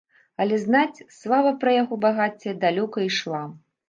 Але, знаць, слава пра яго багацце далёка ішла.